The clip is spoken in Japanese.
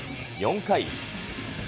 ４回。